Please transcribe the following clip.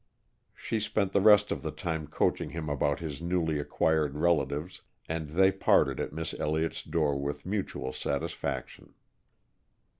She spent the rest of the time coaching him about his newly acquired relatives, and they parted at Miss Elliot's door with mutual satisfaction.